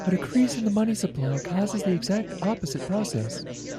A decrease in the money supply causes the exact opposite process.